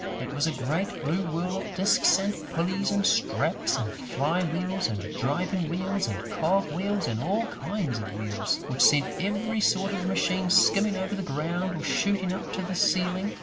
It was a great blue whirl of disks and pulleys and straps and fly wheels and driving wheels and cog wheels and all kinds of wheels, which sent every sort of machine skimming over the ground or shooting up to the ceiling.